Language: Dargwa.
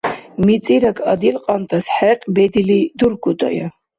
МицӀираг адилкьантас хӀекь бедили дургудая.